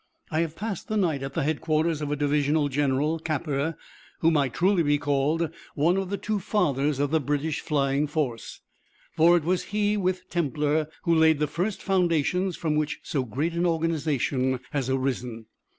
I have passed the night at the headquarters of a divisional general, Capper, who might truly be called one of the two fathers of the British flying force, for it was he, with Templer, who laid the first foundations from which so great an organisation has arisen.